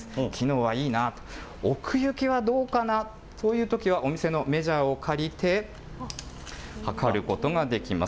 機能はいいな、奥行きはどうかなというときは、お店のメジャーを借りて、測ることができます。